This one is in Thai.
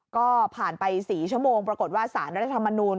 ก็ผ่านไป๔ชั่วโมงปรากฏว่าสารรัฐธรรมนูล